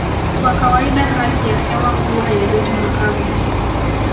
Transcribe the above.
Kwa kawaida hali ya hewa huwa ya joto na kavu